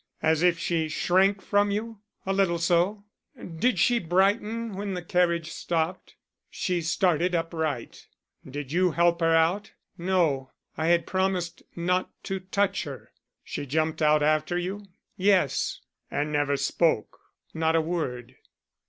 "As if she shrank from you?" "A little so." "Did she brighten when the carriage stopped?" "She started upright." "Did you help her out?" "No, I had promised not to touch her." "She jumped out after you?" "Yes." "And never spoke?" "Not a word."